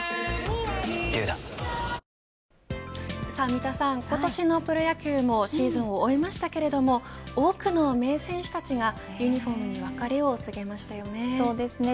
三田さん、今年のプロ野球もシーズンを終えましたけれども多くの名選手たちがユニホームに別れを告げましたよね。